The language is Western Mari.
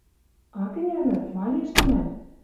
Ак ӹнянӹ? Ма лиэш тӹнӓм?